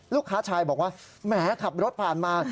ลูกชายบอกว่าแหมขับรถผ่านมา